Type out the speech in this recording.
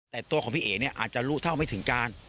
แต่ตัวของพี่เอ๋เนี่ยอาจจะรู้เท่าไม่ถึงการ